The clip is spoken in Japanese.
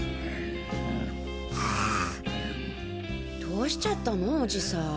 どうしちゃったのおじさん？